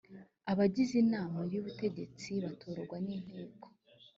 abagize inama y ubutegetsi batorwa n inteko